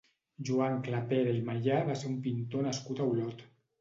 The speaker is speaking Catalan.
Joan Clapera i Mayà va ser un pintor nascut a Olot.